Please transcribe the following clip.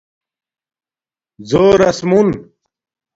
زݸرس مون